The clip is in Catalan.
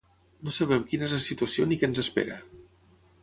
No sabem quina és la situació ni què ens espera.